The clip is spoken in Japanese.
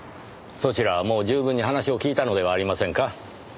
そちらはもう十分に話を聞いたのではありませんか？